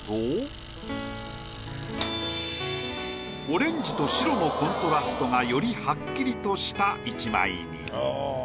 オレンジと白のコントラストがよりはっきりとした一枚に。